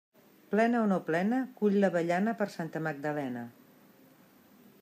Plena o no plena, cull l'avellana per Santa Magdalena.